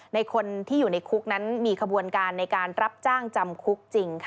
ในคนที่อยู่ในคุกนั้นมีขบวนการในการรับจ้างจำคุกจริง